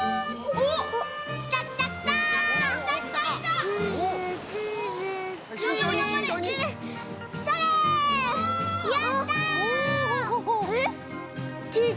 おっ！